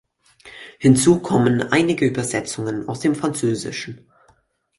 Hinzu kommen einige Übersetzungen aus dem Französischen.